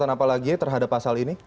apa lagi terhadap pasal ini